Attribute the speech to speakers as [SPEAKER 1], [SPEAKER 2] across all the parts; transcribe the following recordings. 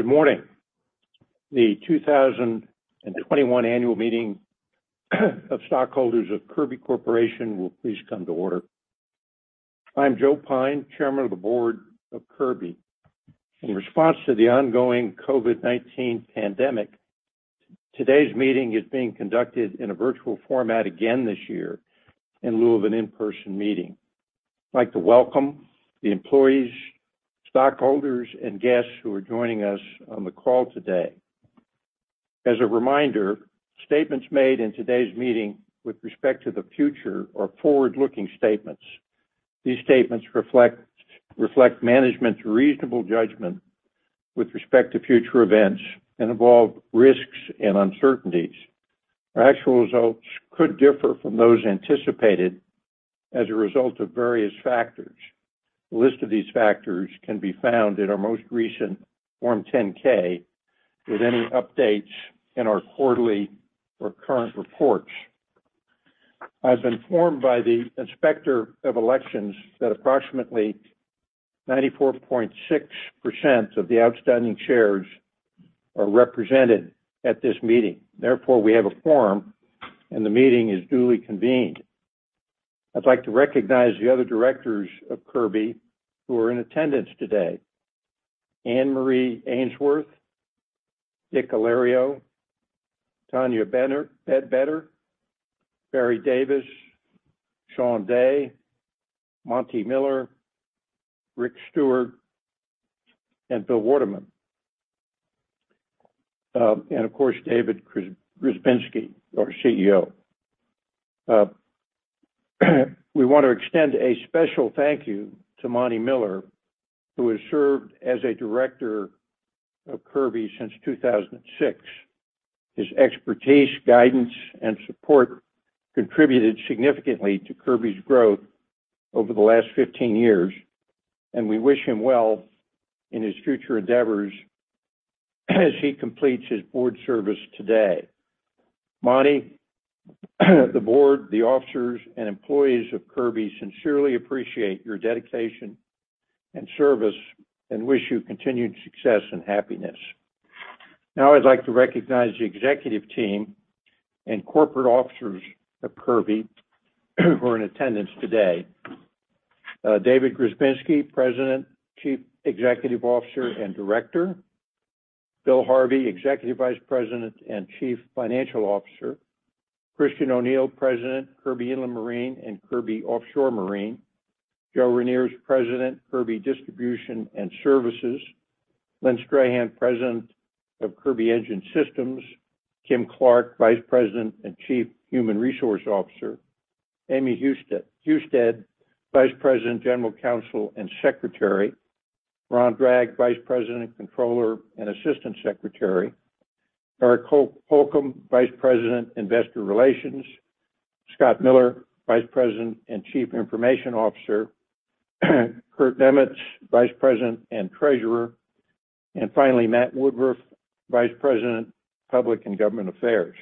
[SPEAKER 1] Good morning! The 2021 annual meeting of stockholders of Kirby Corporation will please come to order. I'm Joe Pyne, Chairman of the Board of Kirby. In response to the ongoing COVID-19 pandemic, today's meeting is being conducted in a virtual format again this year in lieu of an in-person meeting. I'd like to welcome the employees, stockholders, and guests who are joining us on the call today. As a reminder, statements made in today's meeting with respect to the future are forward-looking statements. These statements reflect management's reasonable judgment with respect to future events and involve risks and uncertainties. Our actual results could differ from those anticipated as a result of various factors. A list of these factors can be found in our most recent Form 10-K, with any updates in our quarterly or current reports. I've been informed by the Inspector of Elections that approximately 94.6% of the outstanding shares are represented at this meeting. Therefore, we have a quorum, and the meeting is duly convened. I'd like to recognize the other directors of Kirby who are in attendance today. Anne-Marie Ainsworth, Richard Alario, Tanya Beder, Barry Davis, Sean Day, Monte Miller, Richard Stewart, and William Waterman. And of course, David Grzebinski, our CEO. We want to extend a special thank you to Monte Miller, who has served as a director of Kirby since 2006. His expertise, guidance, and support contributed significantly to Kirby's growth over the last 15 years, and we wish him well in his future endeavors as he completes his board service today. Monte, the board, the officers, and employees of Kirby sincerely appreciate your dedication and service, and wish you continued success and happiness. Now, I'd like to recognize the executive team and corporate officers of Kirby who are in attendance today. David Grzebinski, President, Chief Executive Officer, and Director. Bill Harvey, Executive Vice President and Chief Financial Officer. Christian O'Neil, President, Kirby Inland Marine and Kirby Offshore Marine. Joe Reniers, President, Kirby Distribution and Services. Lynn Strahan, President of Kirby Engine Systems. Kim Clarke, Vice President and Chief Human Resources Officer. Amy Husted, Vice President, General Counsel, and Secretary. Ron Dragg, Vice President, Controller, and Assistant Secretary. Eric Holcomb, Vice President, Investor Relations. Scott Miller, Vice President and Chief Information Officer. Kurt Niemietz, Vice President and Treasurer. And finally, William Woodruff, Vice President, Public and Government Affairs.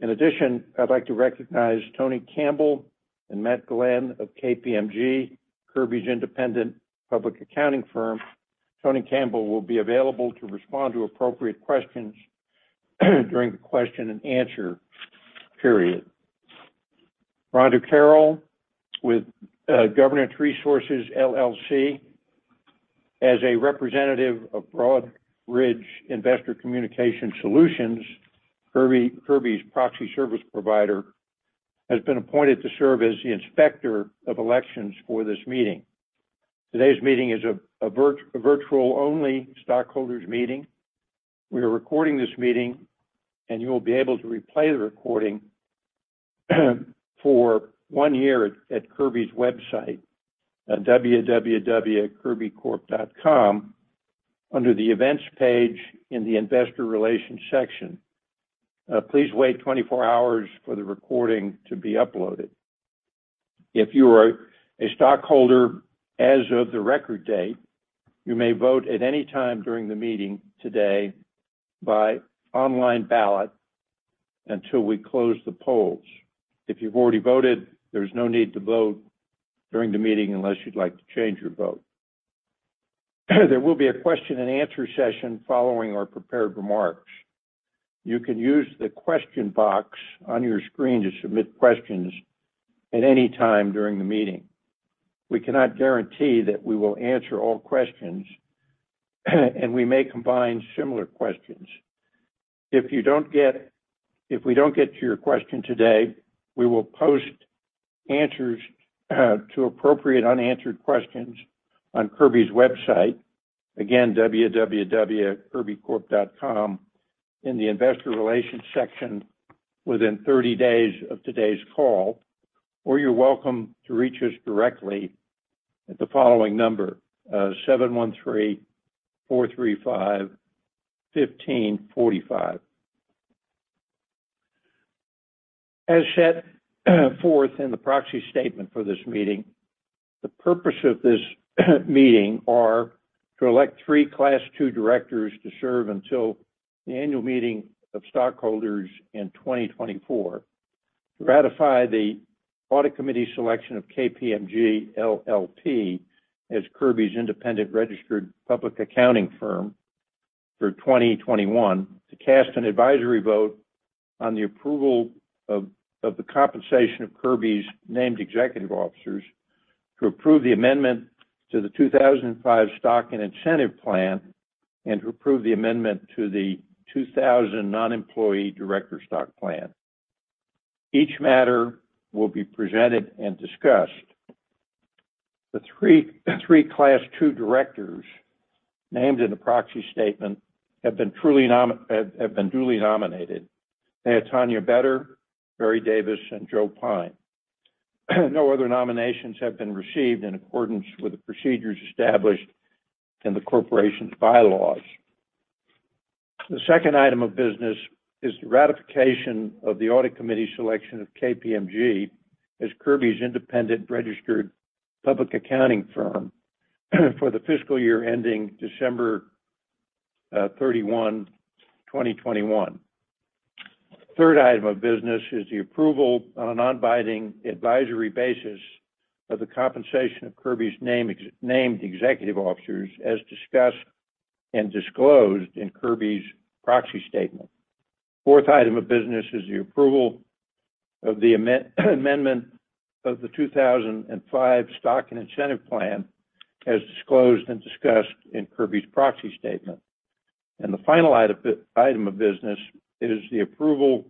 [SPEAKER 1] In addition, I'd like to recognize Tony Campbell and Matt Glenn of KPMG, Kirby's independent public accounting firm. Tony Campbell will be available to respond to appropriate questions during the question and answer period. Rhonda Carroll, with Governance Resources, LLC, as a representative of Broadridge Investor Communication Solutions, Kirby, Kirby's proxy service provider, has been appointed to serve as the Inspector of Elections for this meeting. Today's meeting is a virtual-only stockholders meeting. We are recording this meeting, and you will be able to replay the recording for 1 year at Kirby's website, at www.kirbycorp.com, under the Events page in the Investor Relations section. Please wait 24 hours for the recording to be uploaded. If you were a stockholder as of the record date, you may vote at any time during the meeting today by online ballot until we close the polls. If you've already voted, there's no need to vote during the meeting unless you'd like to change your vote. There will be a question and answer session following our prepared remarks. You can use the question box on your screen to submit questions at any time during the meeting. We cannot guarantee that we will answer all questions, and we may combine similar questions. If we don't get to your question today, we will post answers to appropriate unanswered questions on Kirby's website, again, www.kirbycorp.com, in the Investor Relations section within 30 days of today's call, or you're welcome to reach us directly at the following number, 713-435-1545. As set forth in the proxy statement for this meeting, the purpose of this meeting are to elect three Class II directors to serve until the annual meeting of stockholders in 2024.... to ratify the audit committee selection of KPMG LLP as Kirby's independent registered public accounting firm for 2021, to cast an advisory vote on the approval of the compensation of Kirby's named executive officers, to approve the amendment to the 2005 Stock and Incentive Plan, and to approve the amendment to the 2000 Non-Employee Director Stock Plan. Each matter will be presented and discussed. The three Class II directors named in the proxy statement have been duly nominated. They are Tanya Beder, Barry Davis, and Joseph Pyne. No other nominations have been received in accordance with the procedures established in the corporation's bylaws. The second item of business is the ratification of the audit committee's selection of KPMG as Kirby's independent registered public accounting firm for the fiscal year ending December 31, 2021. Third item of business is the approval on a non-binding advisory basis of the compensation of Kirby's named executive officers, as discussed and disclosed in Kirby's proxy statement. Fourth item of business is the approval of the amendment of the 2005 Stock and Incentive Plan, as disclosed and discussed in Kirby's proxy statement. And the final item of business is the approval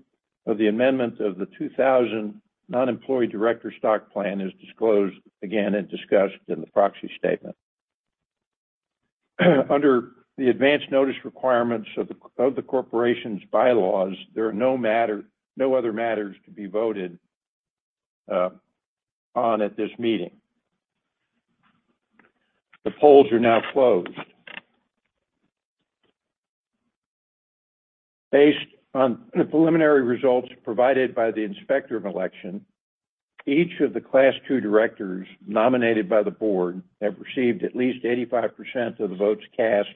[SPEAKER 1] of the amendment of the 2000 Non-Employee Director Stock Plan, as disclosed again and discussed in the proxy statement. Under the advanced notice requirements of the corporation's bylaws, there are no other matters to be voted on at this meeting. The polls are now closed. Based on the preliminary results provided by the inspector of election, each of the Class II directors nominated by the board have received at least 85% of the votes cast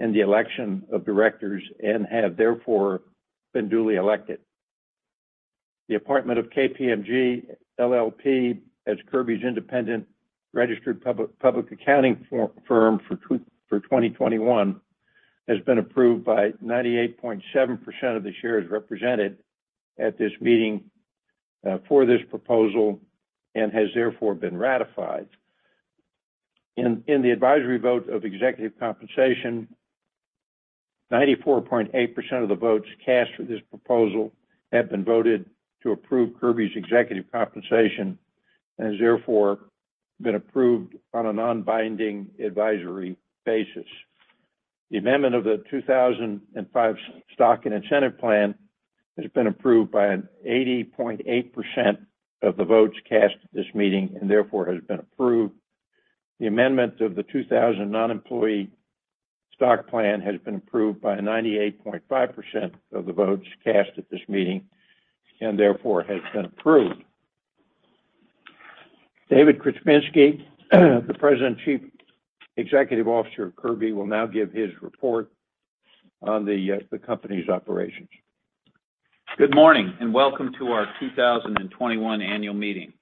[SPEAKER 1] in the election of directors and have therefore been duly elected. The appointment of KPMG LLP as Kirby's independent registered public accounting firm for 2021 has been approved by 98.7% of the shares represented at this meeting for this proposal, and has therefore been ratified. In the advisory vote of executive compensation, 94.8% of the votes cast for this proposal have been voted to approve Kirby's executive compensation, and has therefore been approved on a non-binding advisory basis. The amendment of the 2005 stock and incentive plan has been approved by 80.8% of the votes cast at this meeting, and therefore has been approved. The amendment of the 2000 non-employee stock plan has been approved by 98.5% of the votes cast at this meeting, and therefore has been approved. David Grzebinski, the President and Chief Executive Officer of Kirby, will now give his report on the, the company's operations.
[SPEAKER 2] Good morning, and welcome to our 2021 annual meeting.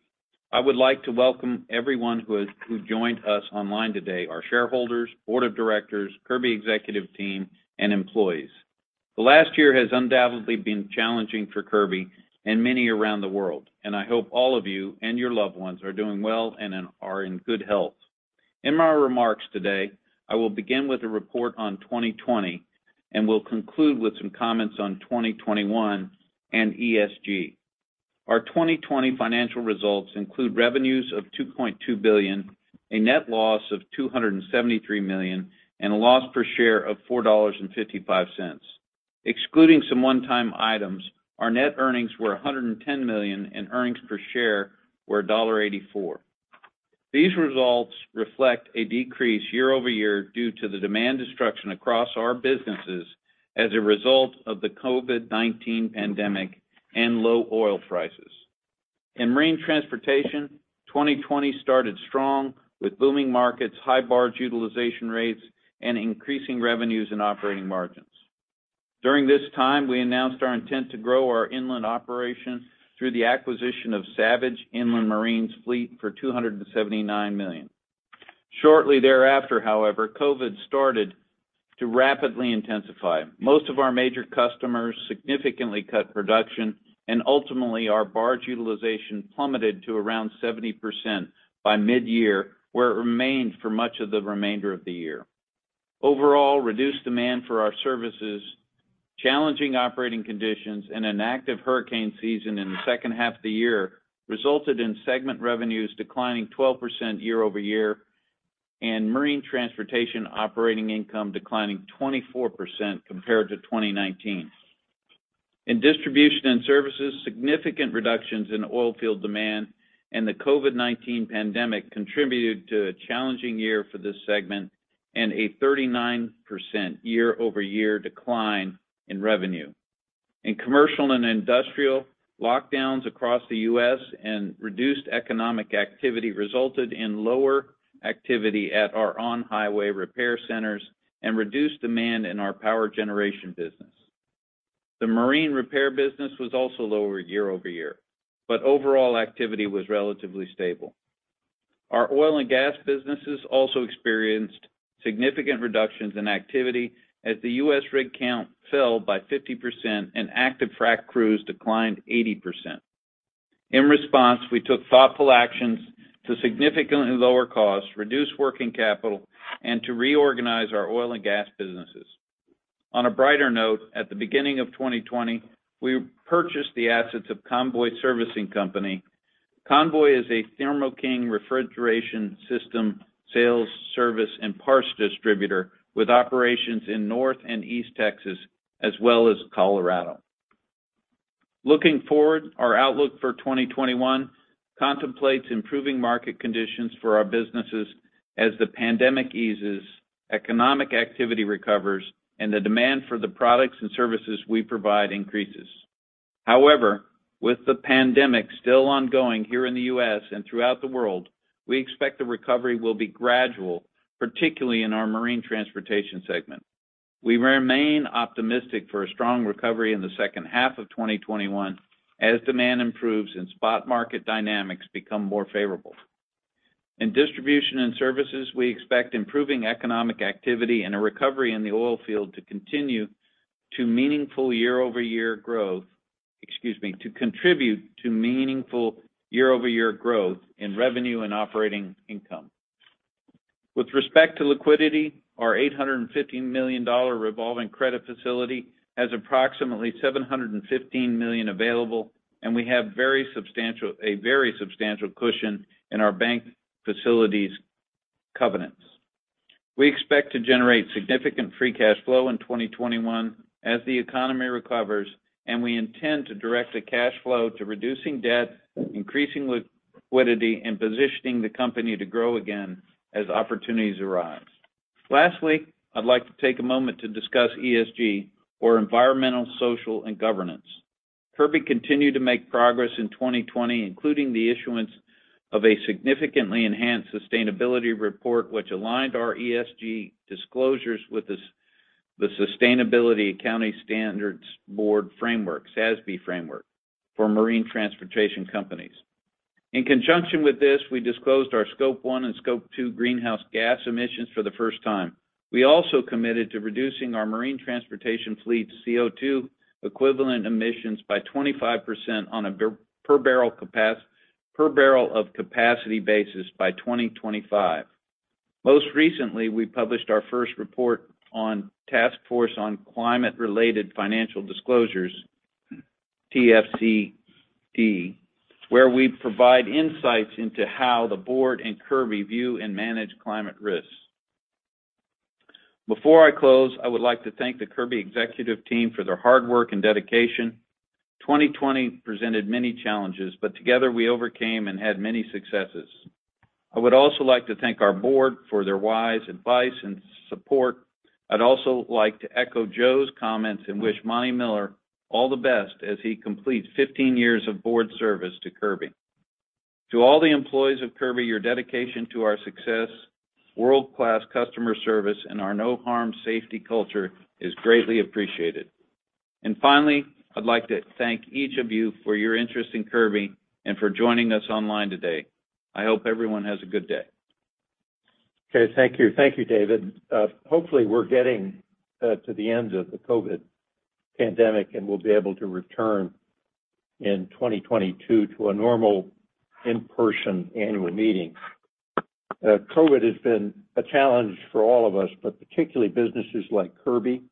[SPEAKER 2] I would like to welcome everyone who joined us online today, our shareholders, board of directors, Kirby executive team, and employees. The last year has undoubtedly been challenging for Kirby and many around the world, and I hope all of you and your loved ones are doing well and then are in good health. In my remarks today, I will begin with a report on 2020, and will conclude with some comments on 2021 and ESG. Our 2020 financial results include revenues of $2.2 billion, a net loss of $273 million, and a loss per share of $4.55. Excluding some one-time items, our net earnings were $110 million, and earnings per share were $1.84. These results reflect a decrease year over year due to the demand destruction across our businesses as a result of the COVID-19 pandemic and low oil prices. In marine transportation, 2020 started strong, with booming markets, high barge utilization rates, and increasing revenues and operating margins. During this time, we announced our intent to grow our inland operation through the acquisition of Savage Inland Marine's fleet for $279 million. Shortly thereafter, however, COVID started to rapidly intensify. Most of our major customers significantly cut production, and ultimately, our barge utilization plummeted to around 70% by midyear, where it remained for much of the remainder of the year. Overall, reduced demand for our services, challenging operating conditions, and an active hurricane season in the second half of the year resulted in segment revenues declining 12% year-over-year, and marine transportation operating income declining 24% compared to 2019. In distribution and services, significant reductions in oil field demand and the COVID-19 pandemic contributed to a challenging year for this segment and a 39% year-over-year decline in revenue. In commercial and industrial, lockdowns across the U.S. and reduced economic activity resulted in lower activity at our on-highway repair centers and reduced demand in our power generation business. The marine repair business was also lower year-over-year, but overall activity was relatively stable. Our oil and gas businesses also experienced significant reductions in activity as the U.S. rig count fell by 50% and active frac crews declined 80%. In response, we took thoughtful actions to significantly lower costs, reduce working capital, and to reorganize our oil and gas businesses. On a brighter note, at the beginning of 2020, we purchased the assets of Convoy Servicing Company. Convoy is a Thermo King refrigeration system, sales, service, and parts distributor with operations in North and East Texas, as well as Colorado. Looking forward, our outlook for 2021 contemplates improving market conditions for our businesses as the pandemic eases, economic activity recovers, and the demand for the products and services we provide increases. However, with the pandemic still ongoing here in the U.S. and throughout the world, we expect the recovery will be gradual, particularly in our marine transportation segment. We remain optimistic for a strong recovery in the second half of 2021 as demand improves and spot market dynamics become more favorable. In distribution and services, we expect improving economic activity and a recovery in the oil field to continue to meaningful year-over-year growth, excuse me, to contribute to meaningful year-over-year growth in revenue and operating income. With respect to liquidity, our $850 million revolving credit facility has approximately $715 million available, and we have very substantial, a very substantial cushion in our bank facilities covenants. We expect to generate significant free cash flow in 2021 as the economy recovers, and we intend to direct the cash flow to reducing debt, increasing liquidity, and positioning the company to grow again as opportunities arise. Lastly, I'd like to take a moment to discuss ESG, or environmental, social, and governance. Kirby continued to make progress in 2020, including the issuance of a significantly enhanced sustainability report, which aligned our ESG disclosures with the Sustainability Accounting Standards Board framework, SASB framework, for marine transportation companies. In conjunction with this, we disclosed our Scope 1 and Scope 2 greenhouse gas emissions for the first time. We also committed to reducing our marine transportation fleet's CO2 equivalent emissions by 25% on a per barrel of capacity basis by 2025. Most recently, we published our first report on Task Force on Climate-Related Financial Disclosures, TCFD, where we provide insights into how the board and Kirby view and manage climate risks. Before I close, I would like to thank the Kirby executive team for their hard work and dedication. 2020 presented many challenges, but together, we overcame and had many successes. I would also like to thank our board for their wise advice and support. I'd also like to echo Joe's comments and wish Monte Miller all the best as he completes 15 years of board service to Kirby. To all the employees of Kirby, your dedication to our success, world-class customer service, and our no-harm safety culture is greatly appreciated. And finally, I'd like to thank each of you for your interest in Kirby and for joining us online today. I hope everyone has a good day.
[SPEAKER 3] Okay, thank you. Thank you, David. Hopefully, we're getting to the end of the COVID pandemic, and we'll be able to return in 2022 to a normal in-person annual meeting. COVID has been a challenge for all of us, but particularly businesses like Kirby,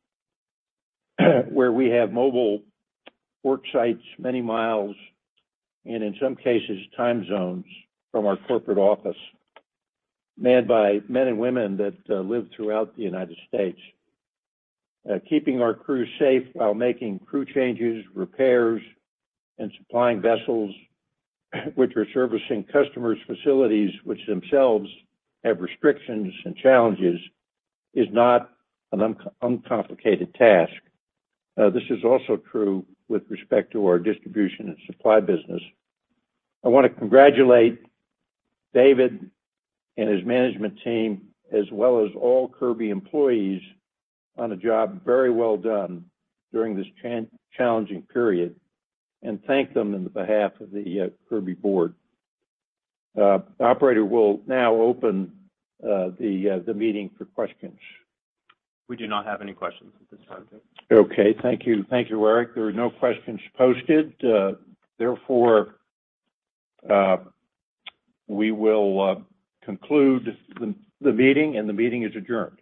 [SPEAKER 3] where we have mobile work sites, many miles, and in some cases, time zones from our corporate office, manned by men and women that live throughout the United States. Keeping our crew safe while making crew changes, repairs, and supplying vessels, which are servicing customers' facilities, which themselves have restrictions and challenges, is not an uncomplicated task. This is also true with respect to our distribution and supply business. I want to congratulate David and his management team, as well as all Kirby employees, on a job very well done during this challenging period, and thank them on behalf of the Kirby board. Operator, we'll now open the meeting for questions. We do not have any questions at this time, sir. Okay, thank you. Thank you, Eric. There are no questions posted, therefore, we will conclude the meeting, and the meeting is adjourned.